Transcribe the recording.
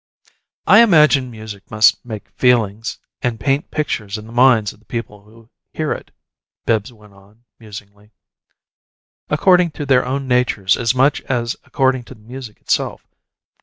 "I imagine music must make feelings and paint pictures in the minds of the people who hear it," Bibbs went on, musingly, "according to their own natures as much as according to the music itself.